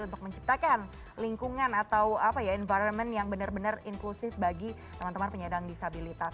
untuk menciptakan lingkungan atau environment yang benar benar inklusif bagi teman teman penyandang disabilitas